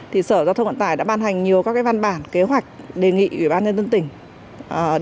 thì sở giao thông vận tải đã ban hành nhiều các cái văn bản kế hoạch đề nghị ủy ban nhân dân tỉnh